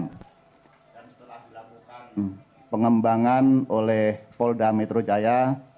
dan setelah dilakukan pengembangan oleh polda metro jaya